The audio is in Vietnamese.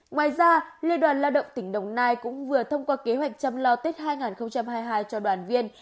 ngoài ra liên đoàn lao động tỉnh đồng nai cũng vừa thông qua kế hoạch chăm lo tết hai nghìn hai mươi hai cho đoàn viên